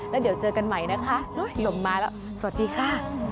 แล้วเดี๋ยวเจอกันใหม่นะคะลมมาแล้วสวัสดีค่ะ